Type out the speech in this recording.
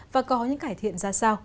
và có những cải thiện ra sao